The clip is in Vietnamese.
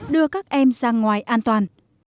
đưa các em ra ngoài an toàn